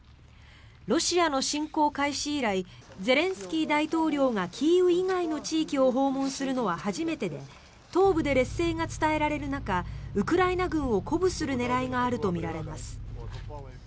ロシアの侵攻開始以来ゼレンスキー大統領がキーウ以外の地域を訪問するのは初めてで東部で劣勢が伝えられる中ウクライナ軍を鼓舞する狙いがあるとみられます。